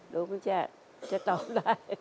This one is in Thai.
เราก็จะตอบได้